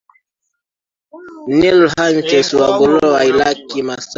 Nilo Hamites Wagorowa Wairaq Maasai Barbaig